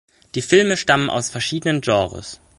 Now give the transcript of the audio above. Die Filme stammen aus verschiedenen Genres.